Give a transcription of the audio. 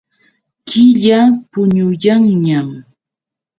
Killa puñuyanñam.